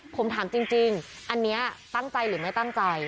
ผมถามจริงอันนี้ตั้งใจหรือไม่ตั้งใจ